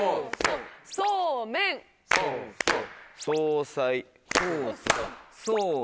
そうそう。